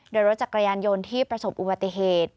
โดยรถจักรยานยนต์ที่ประสบอุบัติเหตุ